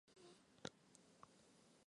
本洞位于小公洞南部。